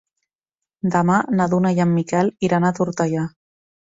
Demà na Duna i en Miquel iran a Tortellà.